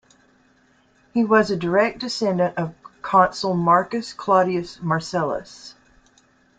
He was a direct descendant of consul Marcus Claudius Marcellus.